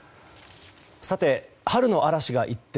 さて、春の嵐が一転。